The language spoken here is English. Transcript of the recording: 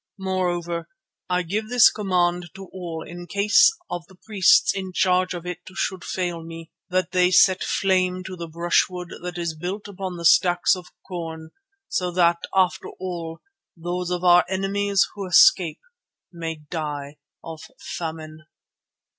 Moreover, I give this command to all in case the priests in charge of it should fail me, that they set flame to the brushwood that is built up with the stacks of corn, so that, after all, those of our enemies who escape may die of famine."